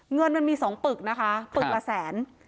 เงินมันมี๒ปึกนะคะปึกละแสน